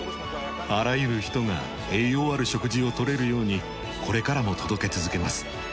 あらゆる人が栄養ある食事を取れるようにこれからも届け続けます。